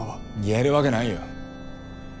言えるわけないよ。